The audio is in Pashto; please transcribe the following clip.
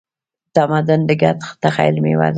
تمدن د ګډ تخیل میوه ده.